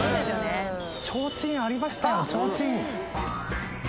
ちょうちんありましたよちょうちん。